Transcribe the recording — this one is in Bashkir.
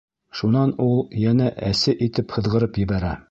Шунан ул йәнә әсе итеп һыҙғырып ебәрә.